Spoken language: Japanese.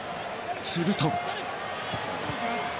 すると。